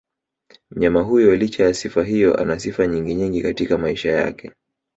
Mnyama huyo licha ya sifa hiyo anasifa nyingi nyingi katika maisha yake